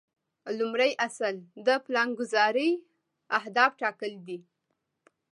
لومړی اصل د پلانګذارۍ اهداف ټاکل دي.